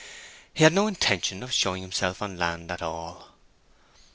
He had no intention of showing himself on land at all.